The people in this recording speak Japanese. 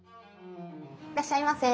いらっしゃいませ。